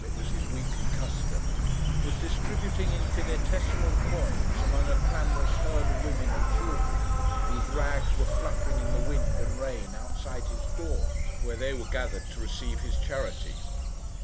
it was his weekly custom) was distributing infinitesimal coins among a clamorous herd of women and children, whose rags were fluttering in the wind and rain outside his door, where they were gathered to receive his charity.